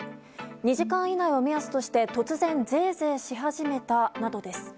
２時間以内を目安として突然ゼーゼーし始めたなどです。